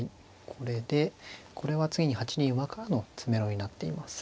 これでこれは次に８二馬からの詰めろになっています。